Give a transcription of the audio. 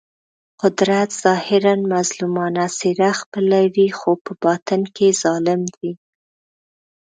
قدرت ظاهراً مظلومانه څېره خپلوي خو په باطن کې ظالم وي.